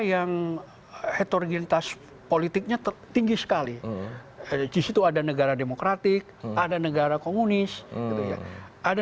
yang heterogenitas politiknya tertinggi sekali disitu ada negara demokratik ada negara komunis ada